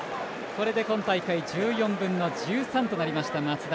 これで今大会１４分の１３となりました、松田。